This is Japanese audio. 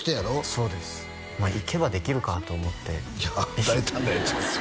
そうですまあ行けばできるかと思って大胆なヤツやな